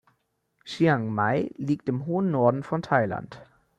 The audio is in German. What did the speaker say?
Chiang Mai liegt im hohen Norden von Thailand.